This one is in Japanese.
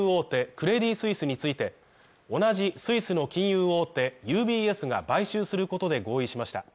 クレディ・スイスについて、同じスイスの金融大手ＵＢＳが買収することで合意しました。